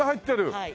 はい。